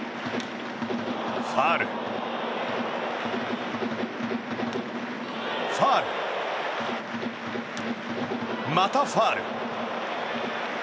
ファウル、ファウルまたファウル。